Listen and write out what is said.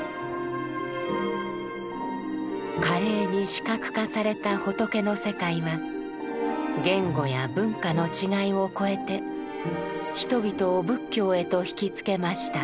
華麗に視覚化された仏の世界は言語や文化の違いを超えて人々を仏教へと惹きつけました。